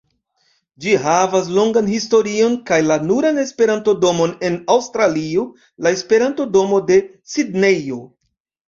Ĝi havas longan historion kaj la nuran Esperanto-domon en Aŭstralio: la Esperanto-domo de Sidnejo.